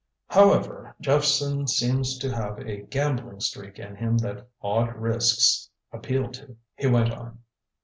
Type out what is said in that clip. "However, Jephson seems to have a gambling streak in him that odd risks appeal to," he went on.